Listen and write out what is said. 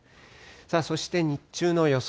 そして日中の予想